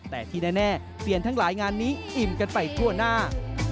แต่ที่แน่เซียนทั้งหลายงานนี้อิ่มกันไปทั่วหน้า